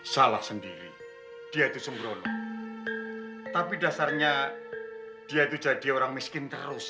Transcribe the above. salah sendiri dia itu sembrono tapi dasarnya dia itu jadi orang miskin terus